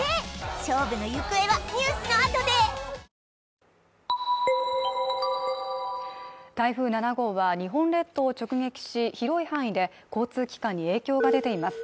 勝負の行方はニュースのあとで台風７号は日本列島を直撃し広い範囲で交通機関に影響が出ています